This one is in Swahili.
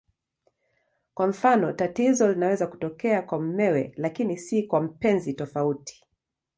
Kwa mfano, tatizo linaweza kutokea kwa mumewe lakini si kwa mpenzi tofauti.